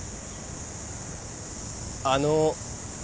あの。